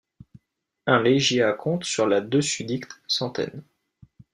un légier à-compte sur la dessusdicte centaine.